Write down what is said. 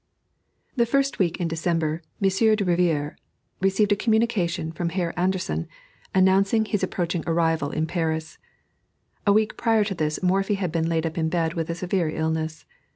The first week in December, Monsieur de Rivière received a communication from Herr Anderssen, announcing his approaching arrival in Paris. A week prior to this Morphy had been laid up in bed with a severe illness.